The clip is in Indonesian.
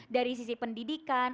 dari sisi pendidikan